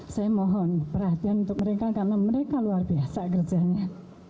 saya mohon perhatian untuk mereka karena mereka luar biasa kerjanya